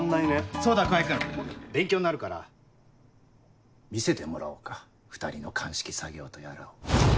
そうだ川合君勉強になるから見せてもらおうか２人の鑑識作業とやらを。